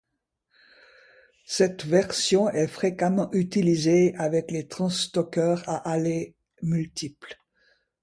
Cette version est fréquemment utilisée avec les transtockeurs à allées multiples.